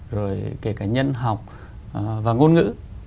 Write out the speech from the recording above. rồi kể cả nhân học và ngôn ngữ